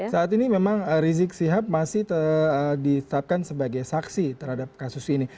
saat ini memang rizik sihab masih ditetapkan sebagai saksi terhadap kasus ini